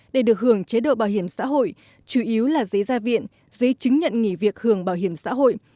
để được hưởng chế độ bảo hiểm xã hội chủ yếu là giấy gia viện giấy chứng nhận nghỉ việc hưởng bảo hiểm xã hội